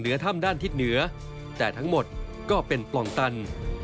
ถ้ำด้านทิศเหนือแต่ทั้งหมดก็เป็นปล่องตัน